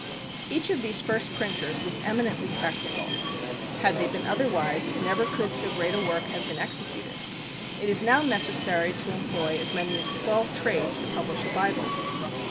Each of these first printers was eminently practical. Had they been otherwise, never could so great a work have been executed. It is now necessary to employ as many as twelve trades to publish a Bible.